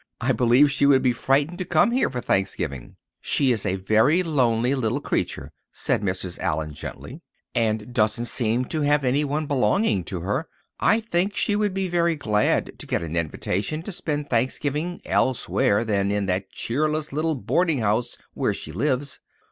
I believe she would be frightened to come here for Thanksgiving." "She is a very lonely little creature," said Mrs. Allen gently, "and doesn't seem to have anyone belonging to her. I think she would be very glad to get an invitation to spend Thanksgiving elsewhere than in that cheerless little boarding house where she lives."